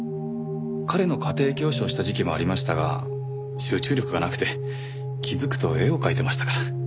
彼の家庭教師をした時期もありましたが集中力がなくて気づくと絵を描いてましたから。